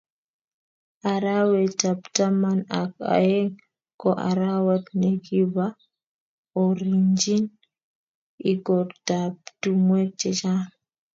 arawetab taman ak aeng ko arawet nekibaorienjin ikortab tumwek chechang